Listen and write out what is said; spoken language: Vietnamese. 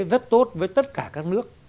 rất tốt với tất cả các nước